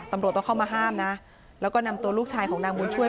ตำรวจต้องเข้ามาห้ามนะแล้วก็นำตัวลูกชายของนางบุญช่วย